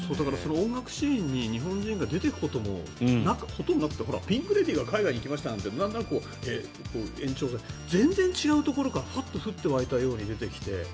音楽シーンに日本人が出ていくこともほとんどなくてピンク・レディーが海外に行きましたっていうなんとなく延長全然違うところからハッと降って湧いたように出てきて。